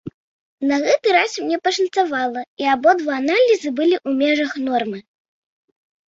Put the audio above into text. На гэты раз мне пашанцавала, і абодва аналізы былі ў межах нормы.